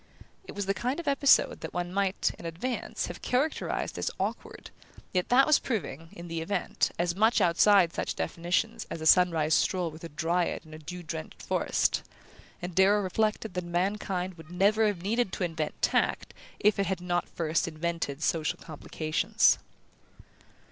It was the kind of episode that one might, in advance, have characterized as "awkward", yet that was proving, in the event, as much outside such definitions as a sunrise stroll with a dryad in a dew drenched forest; and Darrow reflected that mankind would never have needed to invent tact if it had not first invented social complications.